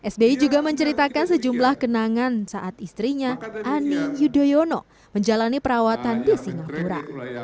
sbi juga menceritakan sejumlah kenangan saat istrinya ani yudhoyono menjalani perawatan di singapura